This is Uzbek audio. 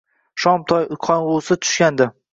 Shom qorong‘usi tushgandi.